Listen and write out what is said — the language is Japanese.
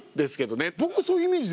僕そういうイメージですよ。